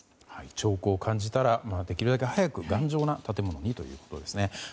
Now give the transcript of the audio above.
兆候を感じたらできるだけ早く頑丈な建物にということですね。